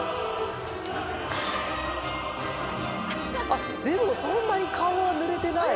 あっでもそんなにかおはぬれてない。